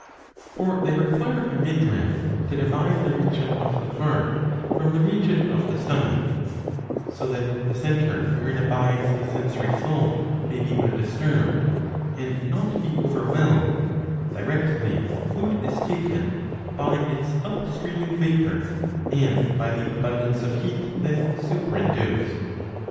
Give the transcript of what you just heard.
For they require a midriff to divide the region of the heart from the region * of the stomach, so that the centre wherein abides the sensory soul may be undisturbed, and not be overwhelmed, directly food is taken, by its up steaming vapour ^ and by the abundance of heat then superinduced.